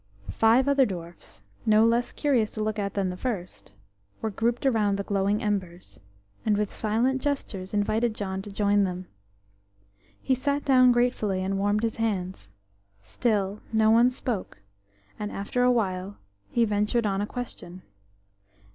Five other dwarfs, no less curious to look at than the first, were grouped around the glowing embers, and with silent gestures invited John to join them. He sat down gratefully and warmed his hands. Still no one spoke, and after a while he ventured on a question.